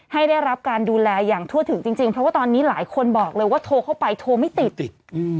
ได้รับการดูแลอย่างทั่วถึงจริงเพราะว่าตอนนี้หลายคนบอกเลยว่าโทรเข้าไปโทรไม่ติดติด